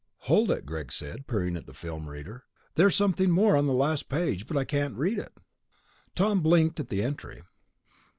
"Hold it," Greg said, peering at the film reader. "There's something more on the last page, but I can't read it." Tom blinked at the entry.